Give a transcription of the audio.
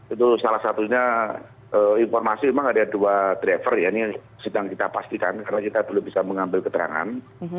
itu salah satunya informasi memang ada dua driver ya ini yang sedang kita pastikan karena kita belum bisa mengambil keterangan